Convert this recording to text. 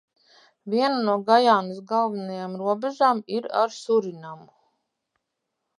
Viena no Gajānas galvenajām robežām ir ar Surinamu.